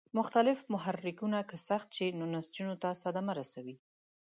مختلف محرکونه که سخت شي نو نسجونو ته صدمه رسوي.